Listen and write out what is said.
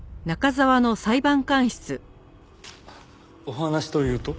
お話というと？